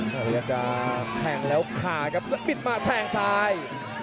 แล้วตั้งคอแล้วปิดมาแผงซ้าย